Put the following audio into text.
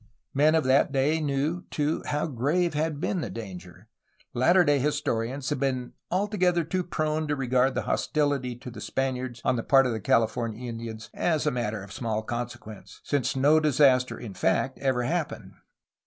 ' Men of that day knew, too, how grave had been the danger. Latter day historians have been altogether too prone to regard the hostility to the Spaniards on the part of the California Indians as a matter of small consequence, since no disaster in fact ever happened.